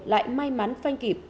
lại may mắn phanh kịp